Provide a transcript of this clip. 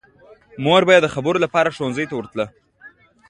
مور به یې د خبرو لپاره ښوونځي ته ورتله